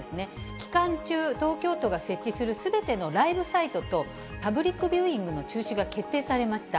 期間中、東京都が設置するすべてのライブサイトと、パブリックビューイングの中止が決定されました。